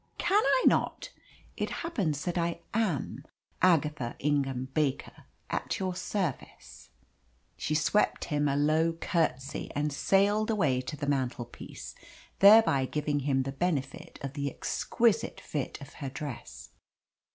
"Can I not? It happens that I AM Agatha Ingham Baker at your service!" She swept him a low curtsey and sailed away to the mantelpiece, thereby giving him the benefit of the exquisite fit of her dress.